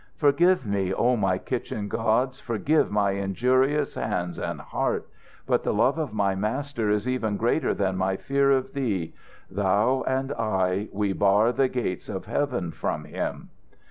"Forgive me, O my kitchen gods, forgive my injurious hands and heart; but the love of my master is even greater than my fear of thee. Thou and I, we bar the gates of heaven from him."